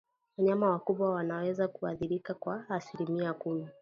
Wanyama wakubwa wanaweza kuathirika kwa asilimia kumi